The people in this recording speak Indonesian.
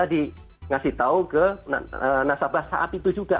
jadi ngasih tahu ke nasabah saat itu juga